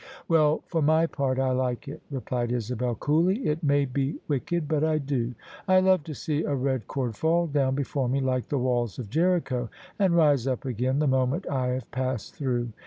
" WeU, for my part I like it," replied Isabel coolly: " it may be wicked, but I do. I love to see a red cord fall down before me, like the walls of Jericho, and rise up again the moment I have passed through.